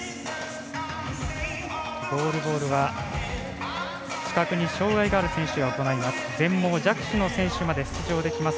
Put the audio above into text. ゴールボールは視覚に障がいのある選手が行います。